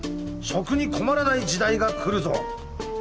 食に困らない時代が来るぞ